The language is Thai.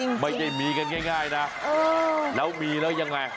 ไม่ได้มีกันง่ายนะเออแล้วมีแล้วยังไง